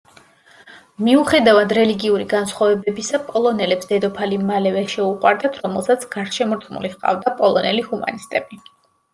მიუხედავად რელიგიური განსხვავებისა, პოლონელებს დედოფალი მალევე შეუყვარდათ, რომელსაც გარშემორტყმული ჰყავდა პოლონელი ჰუმანისტები.